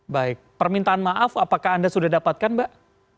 baik permintaan maaf apakah anda sudah dapatkan mbak